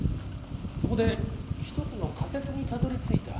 そこで一つの仮説にたどりついた。